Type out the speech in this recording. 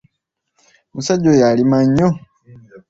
Omusajja oyo alima nnyo.